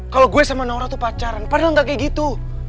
kalau gue sama nora tuh pacaran padahal gak kayak gitu